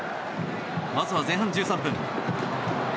まずは前半１３分。